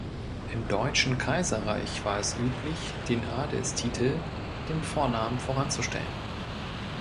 Im Deutschen Kaiserreich war es üblich, den Adelstitel dem Vornamen voranzustellen.